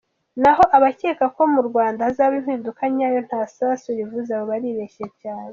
Naho abakeka ko mu Rwanda hazaba impinduka nyayo nta sasu rivuze, abo baribeshya cyane.